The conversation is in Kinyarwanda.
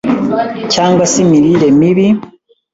cyangwa se imirire mibi